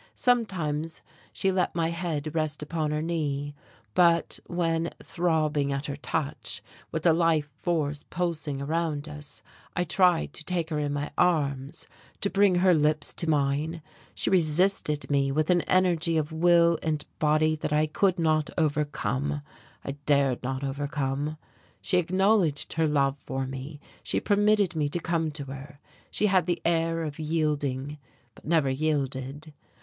Sometimes she let my head rest upon her knee; but when, throbbing at her touch, with the life force pulsing around us, I tried to take her in my arms, to bring her lips to mine, she resisted me with an energy of will and body that I could not overcome, I dared not overcome. She acknowledged her love for me, she permitted me to come to her, she had the air of yielding but never yielded.